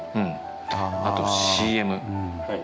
あとＣＭ。